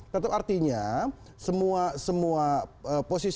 tetap artinya semua posisi